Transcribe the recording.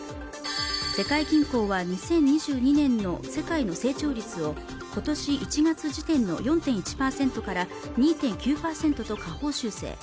世界銀行は２０２２年の世界の成長率を今年１月時点の４．１％から２．９％と下方修正